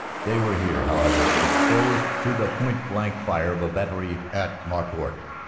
They were here, however, exposed to the point blank fire of a battery at Maucourt.